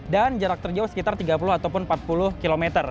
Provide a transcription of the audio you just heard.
dan jarak terjauh sekitar tiga puluh ataupun empat puluh km